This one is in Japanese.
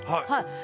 はい。